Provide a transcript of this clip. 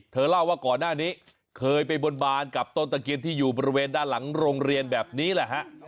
เธอเล่าว่าก่อนหน้านี้เคยไปบนบานกับต้นตะเคียนที่อยู่บริเวณด้านหลังโรงเรียนแบบนี้แหละฮะ